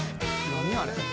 何あれ？